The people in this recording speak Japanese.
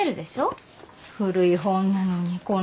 古い本なのにこんなもの。